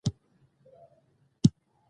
د زمرو وطنه